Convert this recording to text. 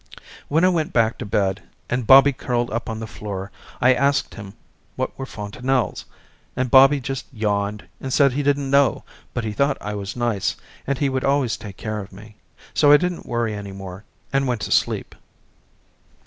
When I went back to bed and Bobby curled up on the floor, I asked him what were fontanelles, and Bobby just yawned and said he didn't know but he thought I was nice, and he would always take care of me, so I didn't worry any more and went to sleep.